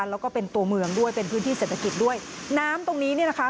แล้วก็เป็นตัวเมืองด้วยเป็นพื้นที่เศรษฐกิจด้วยน้ำตรงนี้เนี่ยนะคะ